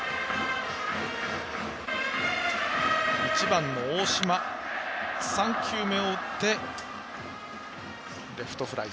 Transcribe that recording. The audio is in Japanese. １番の大島、３球目を打ってレフトフライ。